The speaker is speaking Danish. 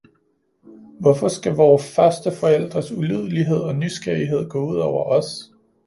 Hvorfor skal vore første forældres ulydighed og nysgerrighed gå ud over os